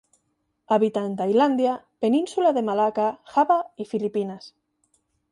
Habita en Tailandia, Península de Malaca, Java y Filipinas.